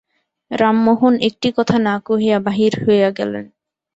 রামমোহন একটি কথা না কহিয়া বাহির হইয়া গেল।